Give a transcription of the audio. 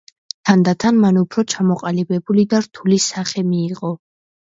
თანდათან მან უფრო ჩამოყალიბებული და რთული სახე მიიღო.